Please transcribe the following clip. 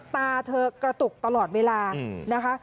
ตาเธอกระตุกตลอดเวลานะคะ